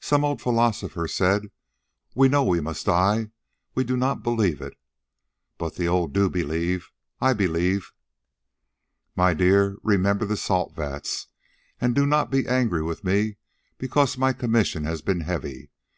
Some old philosopher said we know we must die; we do not believe it. But the old do believe. I believe. "My dear, remember the salt vats, and do not be angry with me because my commissions have been heavy.